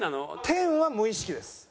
天は無意識です。